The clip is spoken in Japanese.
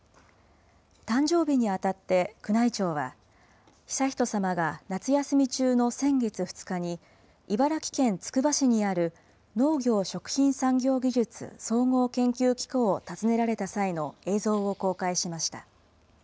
誕生日にあたって宮内庁は、悠仁さまが夏休み中の先月２日に、茨城県つくば市にある農業・食品産業技術総合研究機構を訪ねられた際の映像を公開しました。